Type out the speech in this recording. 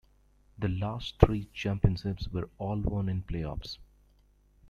The last three championships were all won in playoffs.